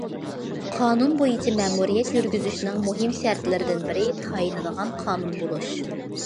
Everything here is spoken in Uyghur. قانۇن بويىچە مەمۇرىيەت يۈرگۈزۈشنىڭ مۇھىم شەرتلىرىدىن بىرى، تايىنىدىغان قانۇن بولۇش.